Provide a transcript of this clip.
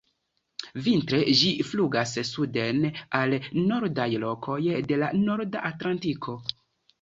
Vintre ĝi flugas suden al nordaj lokoj de la norda Atlantiko.